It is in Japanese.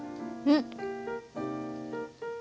うん。